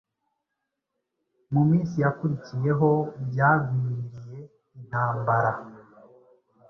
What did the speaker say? Mu minsi yakurikiyehobyagwiririye intambara-